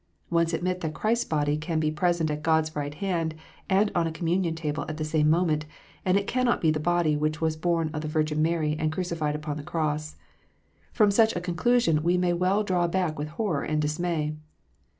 Once admit that Christ s body can be present at God s right hand and on a communion table at the same moment, and it cannot be the body which was born of the Virgin Mary and crucified upon the Cross. From such a conclusion we may well draw back with horror and dismay.